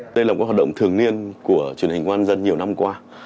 đây là một hoạt động thường niên của truyền hình công an dân nhiều năm qua